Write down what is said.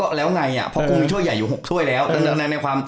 มันก็แล้วไงแล้วแอลกตะลายกรุงมีช่วยใหญ่อยู่๖ช่วย